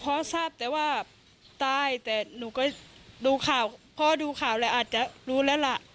พ่อทราบแต่ว่าตายแต่หนูก็ดูข่าวพ่อดูข่าวแล้วอาจจะรู้แล้วล่ะ